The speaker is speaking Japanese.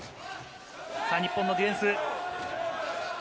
日本のディフェンス。